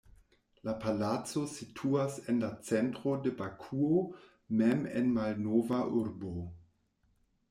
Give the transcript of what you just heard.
La palaco situas en la centro de Bakuo mem en Malnova urbo.